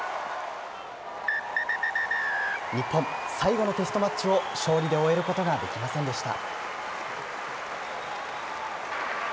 日本、最後のテストマッチを勝利で終えることができませんでした。